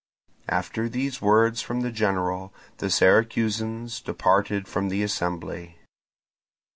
After these words from the general, the Syracusans departed from the assembly.